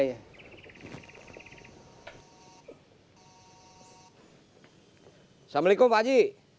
assalamualaikum pak haji